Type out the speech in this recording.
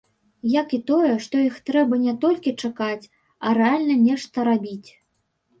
Як і тое, што іх трэба не толькі чакаць, а рэальна нешта рабіць.